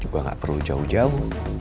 juga nggak perlu jauh jauh